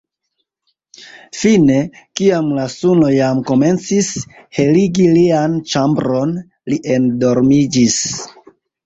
Fine, kiam la suno jam komencis heligi lian ĉambron li endormiĝis.